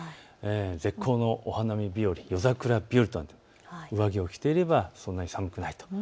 絶好のお花見日和、夜桜日和、上着を着ていればそんなに寒くないと。